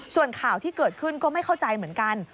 ส่วนข่าวที่เกิดขึ้นก็ไม่เข้าใจเหมือนกัน